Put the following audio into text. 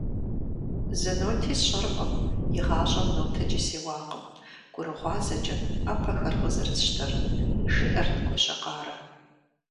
- Зы ноти сщӀэркъым, игъащӀэм нотэкӀи сеуакъым, гурыгъуазэкӀэт Ӏэпэхэр къызэрысщтэр, - жиӏэрт Гуащэкъарэ.